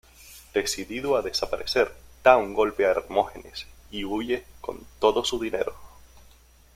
Decidido a desaparecer, da un golpe a Hermógenes y huye con todo su dinero.